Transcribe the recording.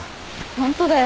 ホントだよ。